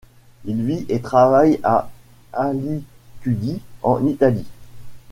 Il vit et travaille à Alicudi, en Italie.